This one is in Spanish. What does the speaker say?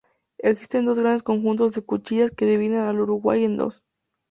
Existen dos grandes conjuntos de cuchillas que dividen al Uruguay en dos.